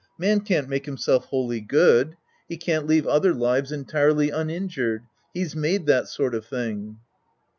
Man can't make himself wholly good. He can't leave other lives entirely uninjured.' He's made that sort of thing.